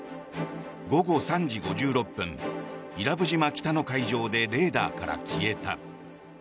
午後３時５６分伊良部島北の海上でレーダーから消えた。